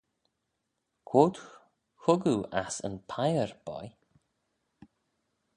Quoid hug oo ass yn piyr, boy?